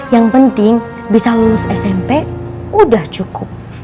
yang penting bisa lulus smp sudah cukup